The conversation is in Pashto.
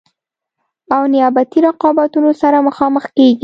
او نیابتي رقابتونو سره مخامخ کیږي.